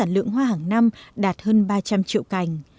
lượng hoa hàng năm đạt hơn ba trăm linh triệu cành